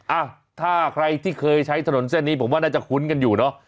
อ่ะถ้าใครที่เคยใช้ถนนเส้นนี้ผมว่าน่าจะคุ้นกันอยู่เนอะ